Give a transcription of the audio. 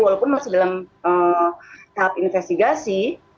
walaupun masih dalam tahap investigasi